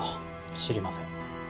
知りません。